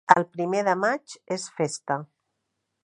El primer de maig és festa.